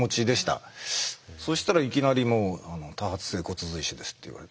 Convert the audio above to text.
そしたらいきなりもう「多発性骨髄腫です」って言われて。